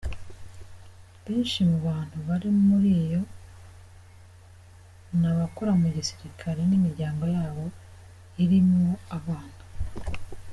Benshi mu bantu bari muriyo n'abakora mu gisirikare n'imiryango yabo, irimwo abana.